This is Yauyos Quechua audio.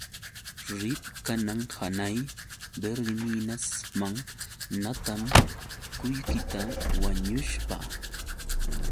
Riq kanan hanay Verdeminasman natam qullqita wanushpa.